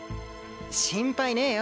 心配ねえよ。